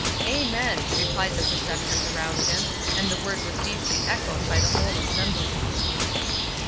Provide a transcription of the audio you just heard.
"Amen," replied the Preceptors around him, and the word was deeply echoed by the whole assembly.